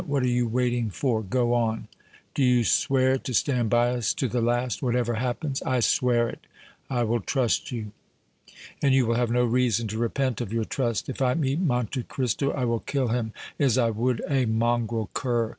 What are you waiting for? Go on!" "Do you swear to stand by us to the last whatever happens?" "I swear it!" "I will trust you." "And you will have no reason to repent of your trust. If I meet Monte Cristo I will kill him as I would a mongrel cur!